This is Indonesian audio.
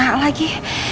aduh kena lagi